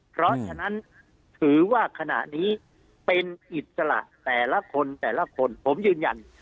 เพราะฉะนั้นถือว่าขณะนี้เป็นอิสระแต่ละคนแต่ละคนผมยืนยัน